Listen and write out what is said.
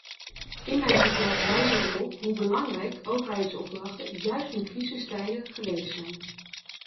In mijn verslag wijs ik erop hoe belangrijk overheidsopdrachten juist in crisistijden geweest zijn.